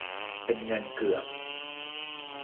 เป็นเงินเกือบ